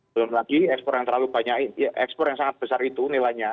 belum lagi ekspor yang terlalu banyak ekspor yang sangat besar itu nilainya